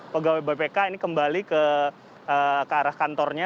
pegawai bpk ini kembali ke arah kantornya